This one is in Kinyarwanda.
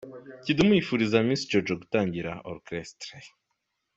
Kidum yifuriza Miss Jojo gutangira Orchestre .